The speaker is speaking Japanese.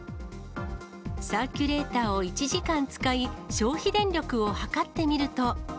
サーキュレーターを１時間使い、消費電力を測ってみると。